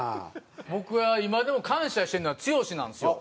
僕は今でも感謝してるのは剛なんですよ。